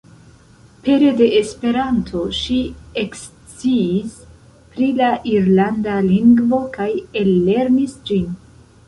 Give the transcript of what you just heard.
Pere de Esperanto ŝi eksciis pri la irlanda lingvo kaj ellernis ĝin.